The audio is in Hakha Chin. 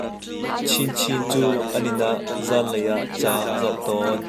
Chin Chin cu an inn ah zaanlei ah ca a zoh tawn.